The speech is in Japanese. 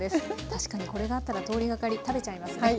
確かにこれがあったら通りがかり食べちゃいますね。